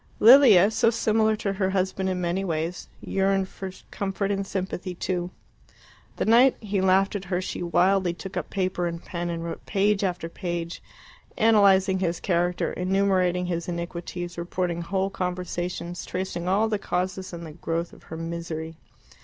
Lilia, so similar to her husband in many ways, yearned for comfort and sympathy too. The night he laughed at her she wildly took up paper and pen and wrote page after page, analysing his character, enumerating his iniquities, reporting whole conversations, tracing all the causes and the growth of her misery.